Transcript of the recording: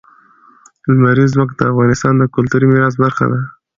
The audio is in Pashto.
لمریز ځواک د افغانستان د کلتوري میراث برخه ده.